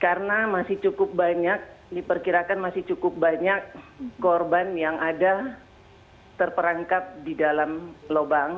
karena masih cukup banyak diperkirakan masih cukup banyak korban yang ada terperangkap di dalam lubang